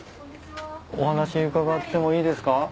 お話伺ってもいいですか？